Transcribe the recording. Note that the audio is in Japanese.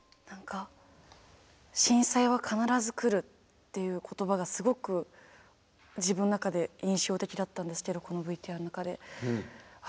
何か震災は必ず来るっていう言葉がすごく自分の中で印象的だったんですけどこのＶＴＲの中で。